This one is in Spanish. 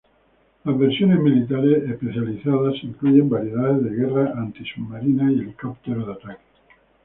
Las versiones militares especializadas incluyen variantes de guerra antisubmarina y helicóptero de ataque.